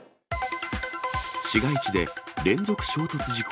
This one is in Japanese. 市街地で連続衝突事故。